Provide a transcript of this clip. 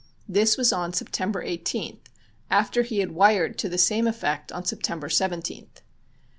This was on September 18th, after he had wired to the same effect on September 17th.